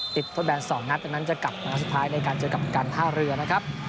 ติดโทษแบนสองนัดจากนั้นจะกลับทางสุดท้ายในการเจอกับการผ้าเรือนะครับ